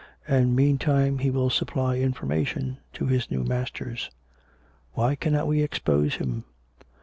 And, meantime, he will supply information to his new masters." " Why cannot we expose him?